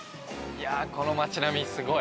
この街並みすごい。